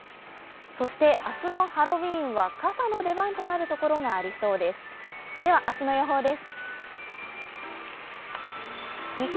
そして明日のハロウィーンは傘の出番となるところがありそうです。